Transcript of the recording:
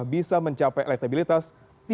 bisa mencapai elektabilitas